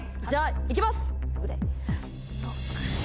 じゃあ行きます！